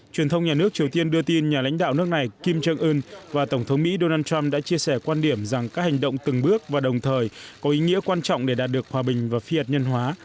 truyền thông nhà nước triều tiên đưa tin nhà lãnh đạo nước này kim jong un và tổng thống mỹ donald trump đã chia sẻ quan điểm rằng các hành động từng bước và đồng thời có ý nghĩa quan trọng để đạt được hòa bình và phi hạt nhân hóa